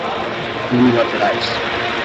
unilaterais